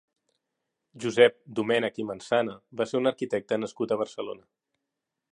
Josep Domènech i Mansana va ser un arquitecte nascut a Barcelona.